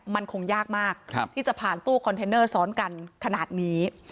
มันคงยากมากที่จะผ่านตู้คอนเทนเนอร์ซ้อนกันขนาดนี้